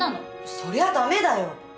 そりゃダメだよ。